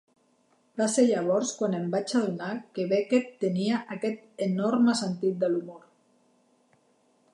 Va ser llavors quan em vaig adonar que Beckett tenia aquest enorme sentit de l'humor.